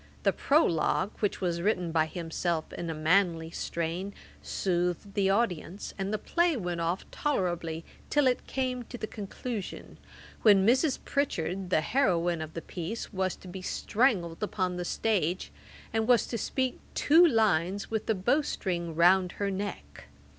The Prologue, which was written by himself in a manly strain, soothed the audience, and the play went off tolerably, till it came to the conclusion, when Mrs. Pritchard, the heroine of the piece, was to be strangled upon the stage, and was to speak two lines with the bow string round her neck.